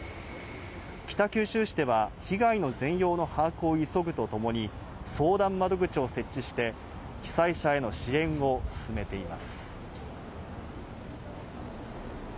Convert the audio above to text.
北九州市では被害の全容の把握を急ぐとともに、相談窓口を設置して被災者への支援を進めています。